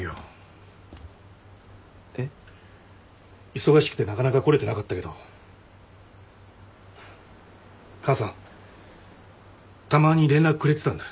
忙しくてなかなか来れてなかったけど母さんたまに連絡くれてたんだ。